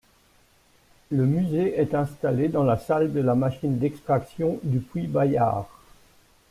Le musée est installé dans la salle de la machine d'extraction du puits Bayard.